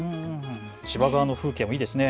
千葉側の風景もいいですね。